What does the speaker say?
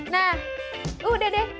nah udah deh